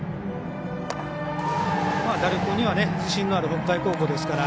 打力には自信のある北海高校ですから。